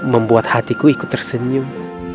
membuat hatiku ikut tersenyum